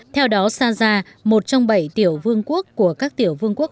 theo đó saza một trong bảy tiểu vương quốc của các tiểu vương quốc